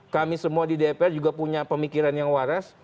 kami semua di dpr juga punya pemikiran yang waras